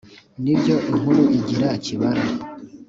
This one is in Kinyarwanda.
Ni ibyo inkuru igira ikibara,